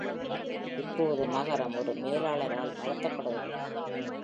இப்போது நகரம் ஒரு மேலாளரால் நடத்தப்படுகிறது.